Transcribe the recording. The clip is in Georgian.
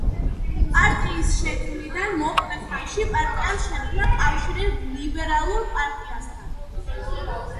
პარტიის შექმნიდან მოკლე ხანში, პარტიამ შექმნა კავშირი ლიბერალურ პარტიასთან.